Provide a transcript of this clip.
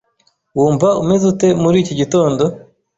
Wumva umeze ute muri iki gitondo?